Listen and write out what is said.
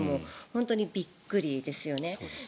本当にびっくりですよね。